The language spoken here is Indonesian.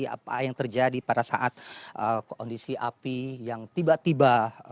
apa yang terjadi pada saat kondisi api yang tiba tiba